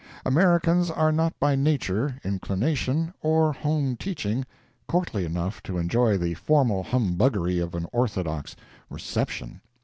Americans are not by nature, inclination, or home teaching, courtly enough to enjoy the formal humbuggery of an orthodox "reception."